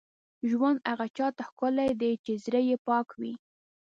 ژوند هغه چا ته ښکلی دی، چې زړه یې پاک وي.